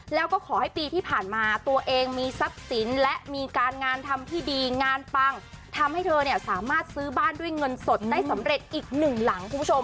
แล้วก็ขอให้ปีที่ผ่านมาตัวเองมีทรัพย์สินและมีการงานทำที่ดีงานปังทำให้เธอเนี่ยสามารถซื้อบ้านด้วยเงินสดได้สำเร็จอีกหนึ่งหลังคุณผู้ชม